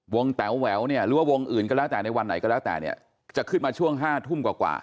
แต๋วแหววเนี่ยหรือว่าวงอื่นก็แล้วแต่ในวันไหนก็แล้วแต่เนี่ยจะขึ้นมาช่วง๕ทุ่มกว่า